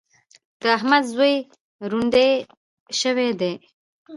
د احمد زوی روندی شوی دی.